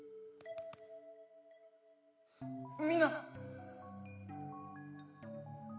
みんな。